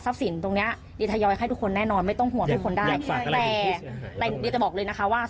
ฟังชัดเลยค่ะ